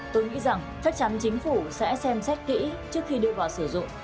tôi nghĩ rằng chắc chắn chính phủ sẽ xem xét kỹ trước khi đưa vào sử dụng